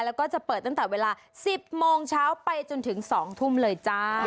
แล้วก็จะเปิดตั้งแต่เวลา๑๐โมงเช้าไปจนถึง๒ทุ่มเลยจ้า